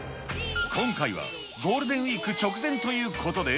今回は、ゴールデンウィーク直前ということで。